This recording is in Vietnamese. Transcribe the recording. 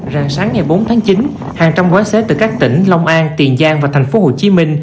ràng sáng ngày bốn tháng chín hàng trăm quái xế từ các tỉnh long an tiền giang và tp hcm